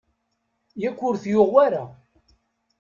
Yak ur t-yuɣ wara?